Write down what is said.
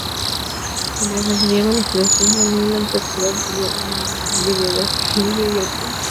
Mientras asediaba la ciudad tomó Almansa, Chiva, Buñol, Benaguacil, Liria y Alpuente.